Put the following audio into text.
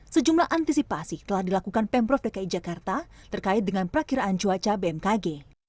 sejumlah antisipasi telah dilakukan pemprov dki jakarta terkait dengan perakiraan cuaca bmkg